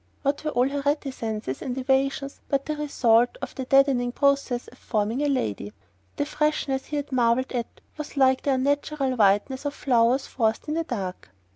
What were all her reticences and evasions but the result of the deadening process of forming a "lady"? The freshness he had marvelled at was like the unnatural whiteness of flowers forced in the dark.